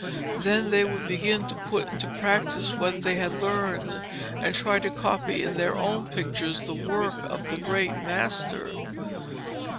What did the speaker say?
Then they would begin to put into practice what they had learned, and try to copy in their own pictures the work of the great master.